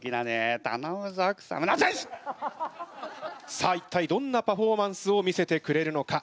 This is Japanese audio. さあ一体どんなパフォーマンスを見せてくれるのか？